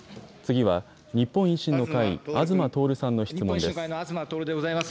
次は、日本維新の会、東徹さんの質問です。